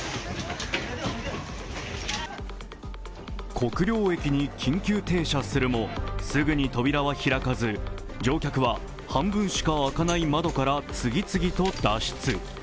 国領駅に緊急停車するも、すぐに扉は開かず乗客は半分しか開かない窓から次々と脱出。